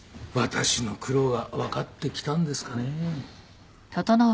私の苦労が分かってきたんですかねぇ。